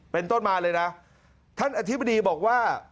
เป็นต้นมาเลยนะท่านอธิบดีบอกว่า